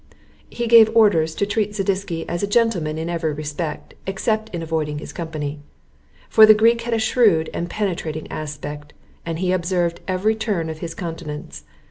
He gave orders to treat Zadisky as a gentleman in every respect, except in avoiding his company; for the Greek had a shrewd and penetrating aspect, and he observed every turn of his countenance.